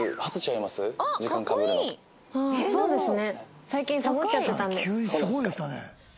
ああそうですね。